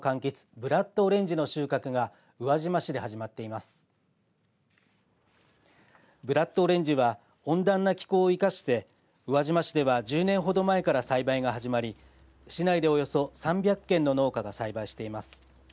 ブラッドオレンジは温暖な気候を生かして宇和島市では１０年ほど前から栽培が始まり市内でおよそ３００軒の農家が栽培しています。